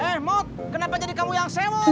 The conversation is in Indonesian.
eh mod kenapa jadi kamu yang sewa